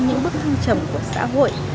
những bước thăng trầm của xã hội